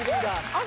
あっ